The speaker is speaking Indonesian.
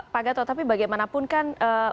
pak gatot tapi bagaimanapun kan